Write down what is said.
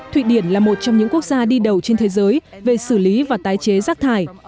thụy điển là một trong những quốc gia đi đầu trên thế giới về xử lý và tái chế rác thải